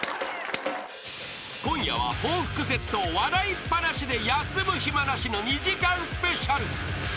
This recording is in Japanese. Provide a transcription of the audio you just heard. ［今夜は抱腹絶倒笑いっ放しで休む暇なしの２時間スペシャル］